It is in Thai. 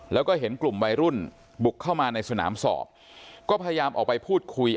แล้วก็เห็นกลุ่มวัยรุ่นบุกเข้ามาในสนามสอบก็พยายามออกไปพูดคุย